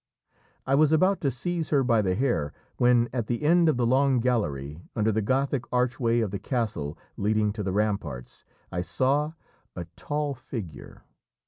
I was about to seize her by the hair, when at the end of the long gallery, under the Gothic archway of the castle leading to the ramparts, I saw a tall figure.